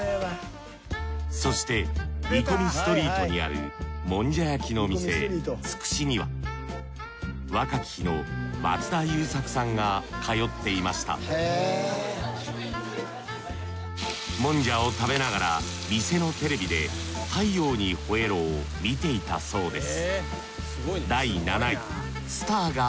そして煮込みストリートにあるもんじゃ焼きの店つくしには若き日の松田優作さんが通っていましたもんじゃを食べながら店のテレビで『太陽にほえろ！』を見ていたそうです